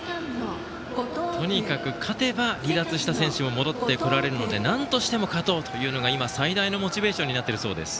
とにかく勝てば、離脱した選手も戻ってこられるのでなんとしても勝とうというのが最大のモチベーションになっているそうです。